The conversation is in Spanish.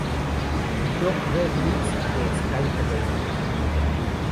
Dirigió "Red Lips" de Sky Ferreira.